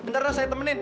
bentar no saya temenin